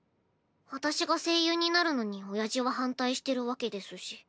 私が声優になるのにおやじは反対してるわけですし。